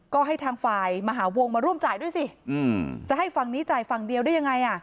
ก็ให้ทางฝ่ายมหาวงมาร่วมจ่ายด้วยสิจะให้ฝั่งนี้จ่ายฝั่งเดียวได้ยังไงอ่ะ